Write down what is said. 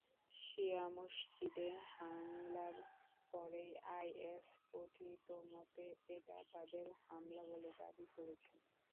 শিয়া মসজিদে হামলার পরেই আইএস কথিতমতে এটা তাদের হামলা বলে দাবি করেছে।